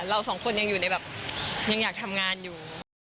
เราสองคนยังอยู่ในแบบยังอยากทำงานอยู่